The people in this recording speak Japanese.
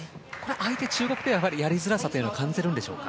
相手、中国ペアはやりづらさを感じているんでしょうか。